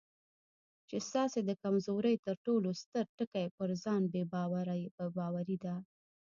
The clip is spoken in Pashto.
چې ستاسې د کمزورۍ تر ټولو ستر ټکی پر ځان بې باوري ده.